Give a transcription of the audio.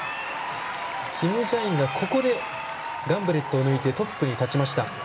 キム・ジャインが、ここでガンブレットを抜いてトップに立ちました。